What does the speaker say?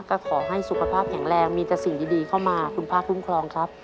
ก็ขอให้สุขภาพแข็งแรงมีแต่สิ่งดีเข้ามาคุณพระคุ้มครองครับ